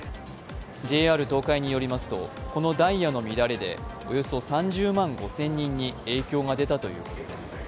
ＪＲ東海によりますと、このダイヤの乱れでおよそ３０万５０００人に影響が出たということです